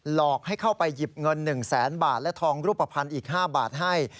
หลอกให้เข้าไปหยิบเงิน๑แสนบาทและทองรูปภัณฑ์อีก๕บาทให้